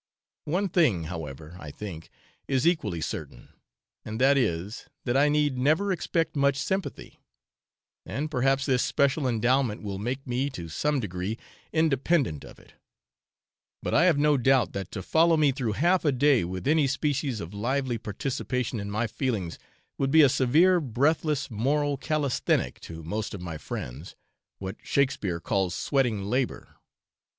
One thing, however, I think, is equally certain, and that is, that I need never expect much sympathy; and perhaps this special endowment will make me, to some degree, independent of it; but I have no doubt that to follow me through half a day with any species of lively participation in my feelings would be a severe breathless moral calisthenic to most of my friends, what Shakspeare calls 'sweating labour.'